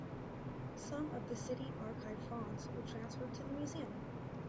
Some of the city archive fonds were transferred to the museum.